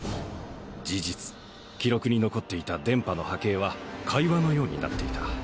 事実記録に残っていた電波の波形は会話のようになっていた。